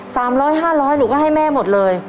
สามร้อยห้าร้อยหนูก็ให้แม่หมดเลย